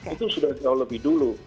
itu sudah jauh lebih dulu